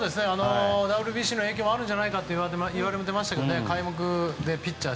ＷＢＣの影響もあるんじゃないかと言われてましたけど開幕でピッチャー